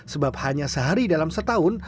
sebab hanya sehari dalam setahun